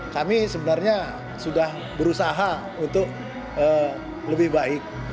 kami sebenarnya sudah berusaha untuk lebih baik